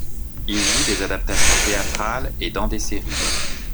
Il joue des adaptations théâtrales et dans des séries.